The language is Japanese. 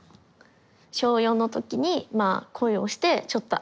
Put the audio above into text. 小４の時にまあ恋をしてちょっと上がって。